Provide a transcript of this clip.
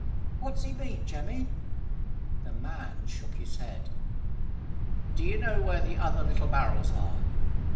"What does he mean, Jemmy?" The man shook his head. "Do you know where the other little barrels are?"